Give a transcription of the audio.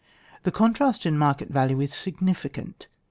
The contrast in market value is significant.